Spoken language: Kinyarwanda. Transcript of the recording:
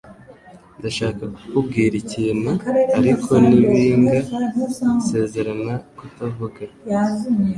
Ndashaka kukubwira ikintu, ariko ni ibanga. Sezerana kutavuga.